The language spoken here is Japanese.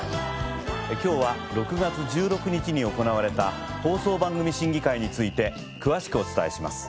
今日は６月１６日に行われた放送番組審議会について詳しくお伝えします。